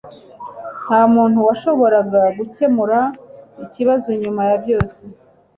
Nta muntu washoboraga gukemura ikibazo nyuma ya byose